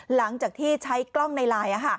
หลังจากที่ใช้กล้องในไลน์